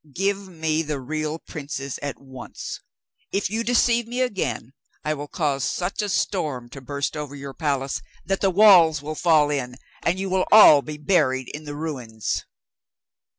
'Give me the real princess at once. If you deceive me again I will cause such a storm to burst over your palace that the walls will fall in, and you will all be buried in the ruins.